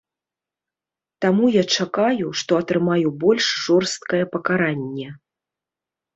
Таму я чакаю, што атрымаю больш жорсткае пакаранне.